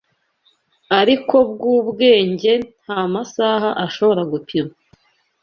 ariko bwubwenge ntamasaha ashobora gupima